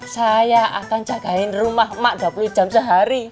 saya akan jagain rumah mak dua puluh jam sehari